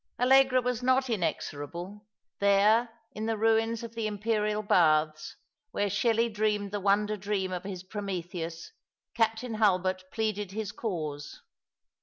Allegra was not inexorable. There, in the rnins of the Imperial baths, where Shelley dreamed the wonder dream of his Prometheus, Captain Hulbert pleaded his canse.